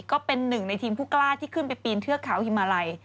ก็เป็นหนึ่งในทีมผู้กล้าที่ขึ้นไปปีนเทือกเขาฮิมาลัย